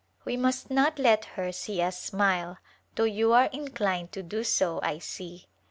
We must not let her see us smile though you are inclined to do so, I see.